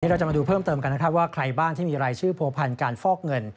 เราจะมาดูเพิ่มเติมกันนะครับว่าใครบ้างที่มีรายชื่อผัวพันธ์การฟอกเงิน